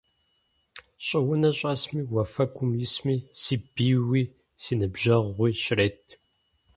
Щӏыунэ щӏэсми, уафэгум исми, си бийуи си ныбжьэгъууи щрет.